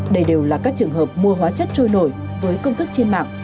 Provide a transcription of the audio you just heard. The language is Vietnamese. đây đều là các trường hợp mua hóa chất trôi nổi với công thức trên mạng